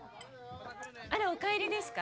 あらお帰りですか？